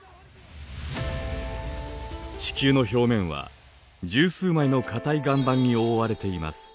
地球の表面は１０数枚の固い岩盤に覆われています。